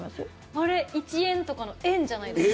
これ、１円とかの「円」じゃないですか？